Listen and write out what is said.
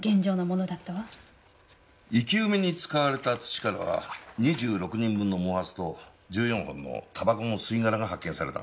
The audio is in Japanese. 生き埋めに使われた土からは２６人分の毛髪と１４本のたばこの吸い殻が発見された。